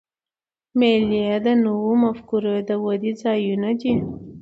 مېلې د نوو مفکورې د ودي ځایونه دي.